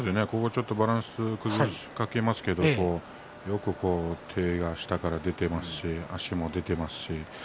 ちょっとバランスを崩しかけますがよく手が下から出ていますし足もよく出ています。